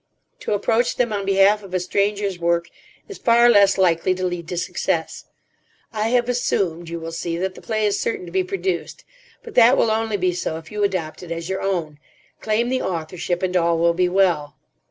To approach them on behalf of a stranger's work is far less likely to lead to success. I have assumed, you will see, that the play is certain to be produced. But that will only be so if you adopt it as your own. Claim the authorship, and all will be well."